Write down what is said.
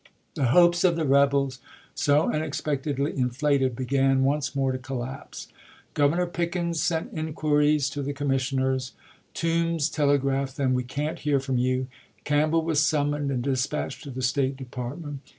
The hopes of the rebels, so unexpectedly inflated, began once more to collapse. Governor Pickens Toombsto sent inquiries to the commissioners. Toombs tele mSion©™, graphed them, " We can't hear from you." Camp mms.1861' bell was summoned and dispatched to the State Department.